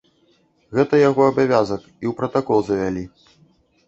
Гэта яго абавязак і ў пратакол завялі.